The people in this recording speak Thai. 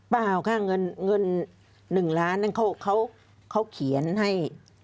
เปล่าค่ะเงิน๑ล้านนั่นเขาเขียนให้